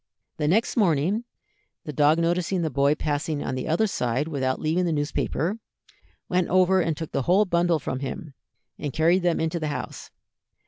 The next morning the dog noticing the boy passing on the other side without leaving the newspaper, went over and took the whole bundle from him, and carried them into the house.